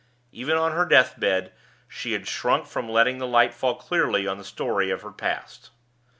Even on her deathbed she had shrunk from letting the light fall clearly on the story of the past.